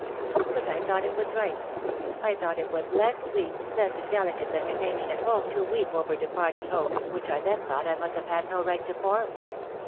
But I thought it was right — I thought it was less weak, less indelicate than remaining at home to weep over departed hopes, which I then thought I must have had no right to form.